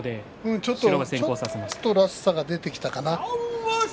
ちょっとらしさが出てきたかな。